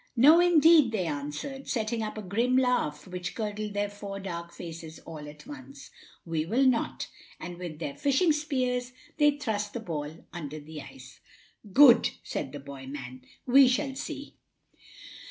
"No, indeed," they answered, setting up a grim laugh which curdled their four dark faces all at once, "we will not"; and with their fishing spears they thrust the ball under the ice. "Good!" said the boy man, "we shall see."